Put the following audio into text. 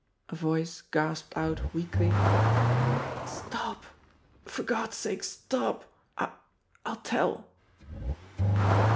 A voice gasped out weakly : "Stop! For God's sake, stop! I I'll tell."